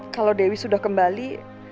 kalau dewi sudah kembali